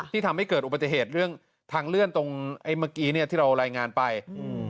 ทำให้เกิดอุบัติเหตุเรื่องทางเลื่อนตรงไอ้เมื่อกี้เนี้ยที่เรารายงานไปอืม